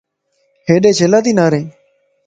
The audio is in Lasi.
ھيڏي ڇيلاتي نارين؟